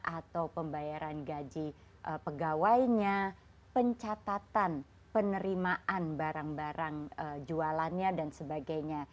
atau pembayaran gaji pegawainya pencatatan penerimaan barang barang jualannya dan sebagainya